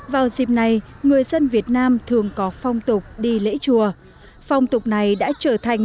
vào dịp này người dân việt nam thường có phong tục đi lễ chùa phong tục này đã trở thành